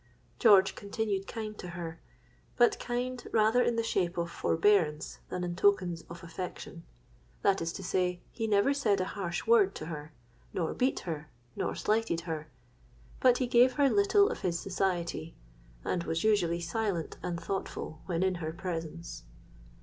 George continued kind to her; but kind rather in the shape of forbearance than in tokens of affection: that is to say, he never said a harsh word to her—nor beat her—nor slighted her; but he gave her little of his society, and was usually silent and thoughtful when in her presence.